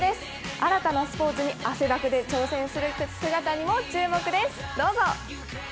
新たなスポーツに汗だくに挑戦する姿にも注目です、どうぞ。